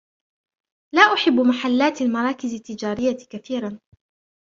لا أحب محلات المراكز التجارية كثيرا.